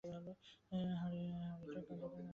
হরিটারও কাণ্ডজ্ঞান আর হল না।